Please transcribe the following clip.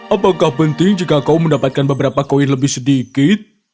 apakah penting jika kau mendapatkan beberapa koin lebih sedikit